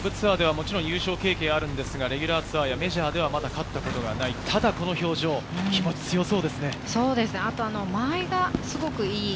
宮里さん、下部ツアーではもちろん、優勝経験もあるんですが、レギュラーツアーやメジャーでは、まだ勝ったことがない、ただこの表情、気持ちが強そうですね。